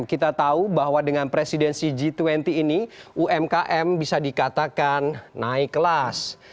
kita tahu bahwa dengan presidensi g dua puluh ini umkm bisa dikatakan naik kelas